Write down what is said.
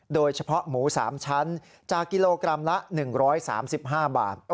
โดยเฉพาะหมู๓ชั้นจากกิโลกรัมละ๑๓๕บาท